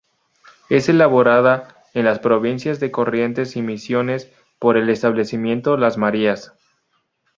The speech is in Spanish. Es elaborada en las provincias de Corrientes y Misiones por el Establecimiento Las Marías.